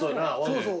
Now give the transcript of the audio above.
そうそう。